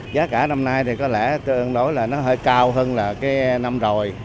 giá cả năm nay thì có lẽ tương đối là nó hơi cao hơn là cái năm rồi